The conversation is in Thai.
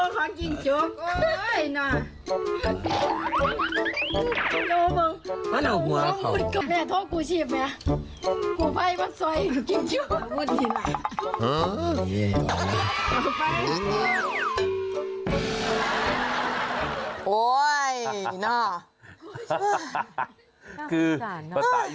ไปเมื่อทีหลาย